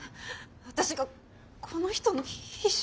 私がこの人の秘書。